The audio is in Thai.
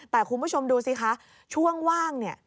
แต่คุณผู้ชมดูสิคะช่วงว่างเนี่ย